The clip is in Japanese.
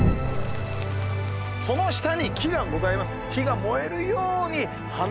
その下に木がございます。